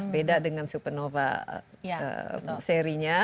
beda dengan supernova serinya